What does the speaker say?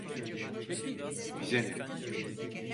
Bize ne?